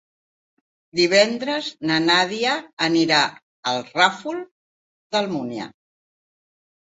Divendres na Nàdia anirà al Ràfol d'Almúnia.